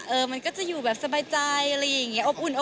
เออมันก็จะอยู่แบบสบายใจอะไรอย่างนี้